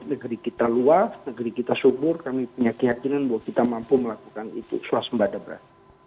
negara kita luas negeri kita subur kami punya keyakinan bahwa kita mampu melakukan itu suasmbah daftar beras